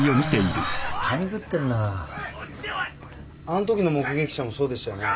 あんときの目撃者もそうでしたよね？